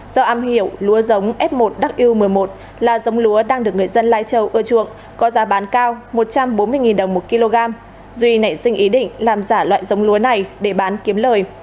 do am hiểu lúa giống f một w một mươi một là dống lúa đang được người dân lai châu ưa chuộng có giá bán cao một trăm bốn mươi đồng một kg duy nảy sinh ý định làm giả loại giống lúa này để bán kiếm lời